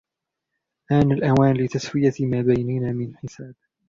آن الأوان لتسوية ما بيننا من حساب.